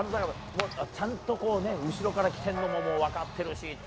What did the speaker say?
後ろから来ているのも分かってるし。